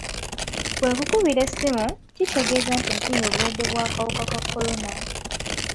Bwe nkukubira essimu, kitegeeza nti nfunye obulwadde bw'akawuka ka kolona.